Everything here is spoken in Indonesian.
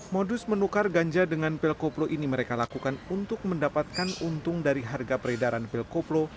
modus menukar ganja dengan pil koplo ini mereka lakukan untuk mendapatkan untung dari harga peredaran pil koplo